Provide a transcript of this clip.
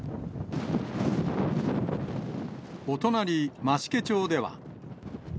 お隣、増毛町では。